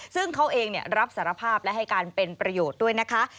ซึ่งเขาเองรับสารภาพและให้การเป็นประโยชน์ด้วยนะคะ